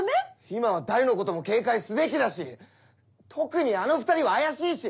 今は誰のことも警戒すべきだし特にあの２人は怪しいし！